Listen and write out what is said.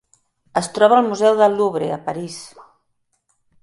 Es troba al museu del Louvre, a París.